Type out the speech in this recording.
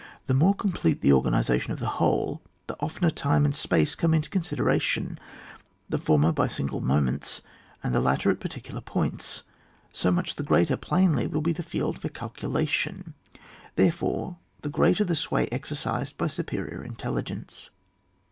The more complete the organisation of the whole, the oftener time and space come into considei'ation — the former by single moments, the latter at particular points — 80 much the greater, plainly, will be the field for calculation, therefore the greater the sway exercised by superior intelli gence.